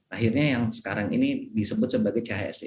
akhirnya yang sekarang ini disebut sebagai chse